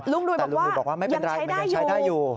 ลุงหนุ่ยบอกว่ายังใช้ได้อยู่